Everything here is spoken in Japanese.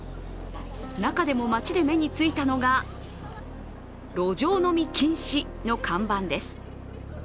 中でも街で目についたのが路上飲み禁止の看板です。